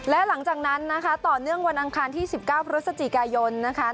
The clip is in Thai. และหลังจากนั้นนะคะต่อเนื่องวันอังคารที่๑๙พฤศจิกายนนะคะ